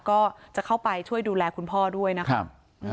ก็จะเข้าไปช่วยดูแลคุณพ่อด้วยนะครับ